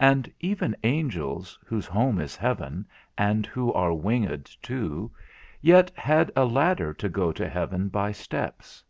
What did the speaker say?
And even angels, whose home is heaven, and who are winged too, yet had a ladder to go to heaven by steps.